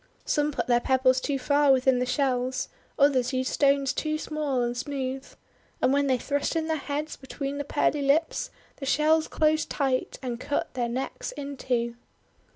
Some put their pebbles too far within the shells, others used stones too small and smooth. And when they thrust in their heads between the pearly lips, the shells closed tight and cut their necks in two.